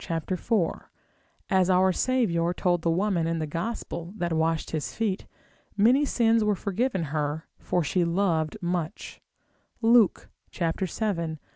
4, as our Saviour told the woman in the Gospel, that washed his feet, many sins were forgiven her, for she loved much, Luke vii.